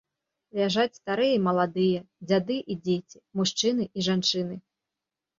Ляжаць старыя і маладыя, дзяды і дзеці, мужчыны і жанчыны.